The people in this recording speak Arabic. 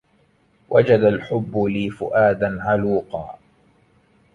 وجد الحب لي فؤادا علوقا